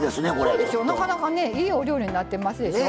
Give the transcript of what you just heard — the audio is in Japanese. そうでしょなかなかねいいお料理になってますでしょ。